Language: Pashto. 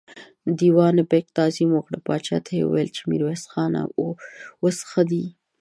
دېوان بېګ تعظيم وکړ، پاچا ته يې وويل چې ميرويس خان اوس ښه دی.